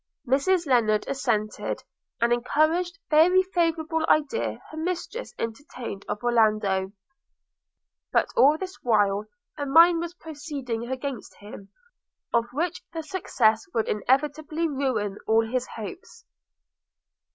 Mrs. Lennard assented, and encouraged every favourable idea her Mistress entertained of Orlando; but all this while a mine was proceeding against him, of which the success would inevitably ruin all his hopes.